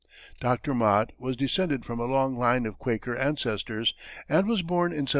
Dr. Mott was descended from a long line of Quaker ancestors, and was born in 1785.